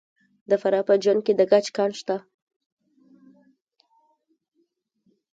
د فراه په جوین کې د ګچ کان شته.